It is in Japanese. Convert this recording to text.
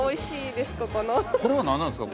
これは何なんですか？